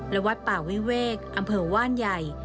และวัดป่าวิเวกอำเภอว่านใหญ่